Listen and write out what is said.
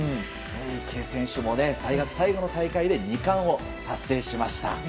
池江選手も大学最後の大会で２冠を達成しました。